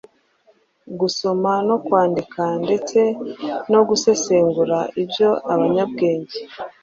gusoma no kwandika ndetse no gusesengura ibyo abanyabwenge